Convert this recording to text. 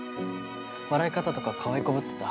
笑い方とかかわいこぶってた？